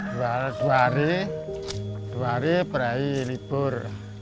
dua hari dua hari berarti libur